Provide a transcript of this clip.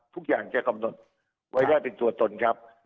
ทุกอย่างจะกำหนดไว้ได้เป็นตัวตนครับ